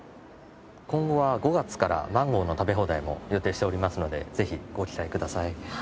今後は５月からマンゴーの食べ放題も予定しておりますのでぜひご期待ください。